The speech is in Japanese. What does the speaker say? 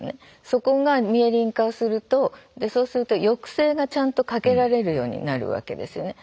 そこがミエリン化するとそうすると抑制がちゃんとかけられるようになるわけですよね。